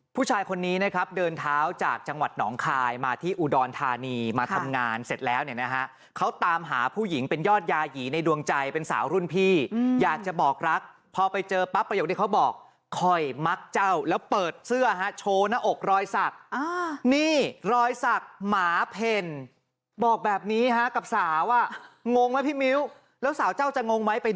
ผู้ชายคนนี้นะครับเดินเท้าจากจังหวัดหนองคายมาที่อุดรธานีมาทำงานเสร็จแล้วเนี่ยนะฮะเขาตามหาผู้หญิงเป็นยอดยาหยีในดวงใจเป็นสาวรุ่นพี่อยากจะบอกรักพอไปเจอปั๊บประโยคที่เขาบอกคอยมักเจ้าแล้วเปิดเสื้อฮะโชว์หน้าอกรอยสักนี่รอยสักหมาเพ่นบอกแบบนี้ฮะกับสาวอ่ะงงไหมพี่มิ้วแล้วสาวเจ้าจะงงไหมไป